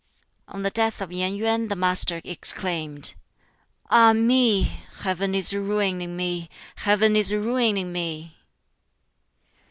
On the death of Yen Yuen the Master exclaimed, "Ah me! Heaven is ruining me, Heaven is ruining me!"